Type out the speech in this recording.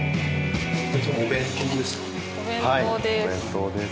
お弁当です。